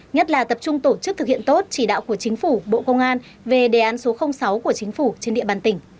nhất là tập trung tổ chức thực hiện tốt chỉ đạo của chính phủ bộ công an về đề án số sáu của chính phủ trên địa bàn tỉnh